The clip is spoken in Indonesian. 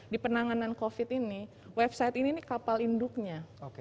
di penanganan covid ini website ini kapal induknya